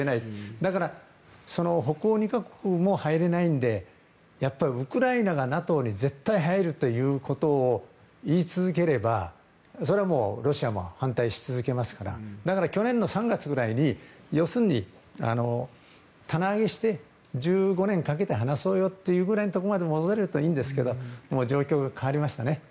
だから北欧２か国も入れないのでやっぱりウクライナがＮＡＴＯに絶対に入るということを言い続ければ、それはロシアも反対し続けますからだから去年の３月くらいに要するに棚上げして１５年かけて話そうよというぐらいのところまで戻れるといいんですけど状況が変わりましたね。